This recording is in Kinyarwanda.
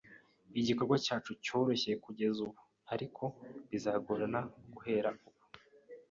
Igikorwa cyacu cyoroshye kugeza ubu, ariko bizagorana guhera ubu.